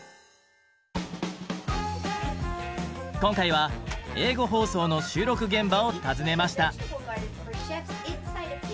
今回は英語放送の収録現場を訪ねました。